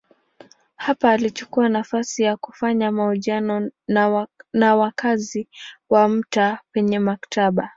Hapa alichukua nafasi ya kufanya mahojiano na wakazi wa mtaa penye maktaba.